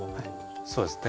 そうですね。